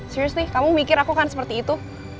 seriously kamu mikir aku kan seperti itu